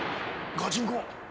『ガチンコ！』。